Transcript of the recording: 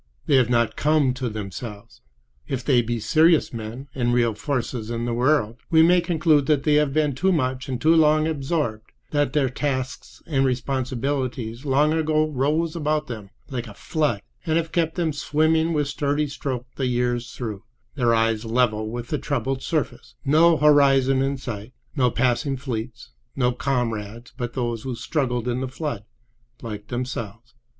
They have not come to themselves. If they be serious men, and real forces in the world, we may conclude that they have been too much and too long absorbed; that their tasks and responsibilities long ago rose about them like a flood, and have kept them swimming with sturdy stroke the years through, their eyes level with the troubled surface—no horizon in sight, no passing fleets, no comrades but those who struggled in the flood like themselves.